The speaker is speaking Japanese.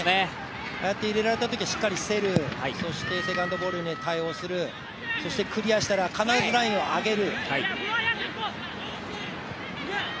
ああやって入れられたときはしっかり競る、そしてセカンドボールに対応するそしてクリアしたら必ずラインを上げる。